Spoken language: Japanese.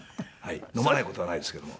飲まない事はないですけども。